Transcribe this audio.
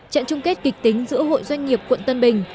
trận chung kết kịch tính giữa hội doanh nghiệp quận tân bình